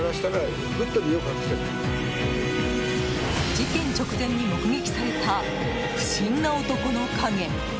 事件直前に目撃された不審な男の影。